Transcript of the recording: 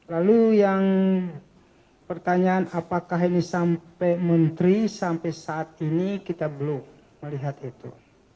lalu yang pertanyaan apakah ini sampai menteri sampai saat ini kita belum melihat itu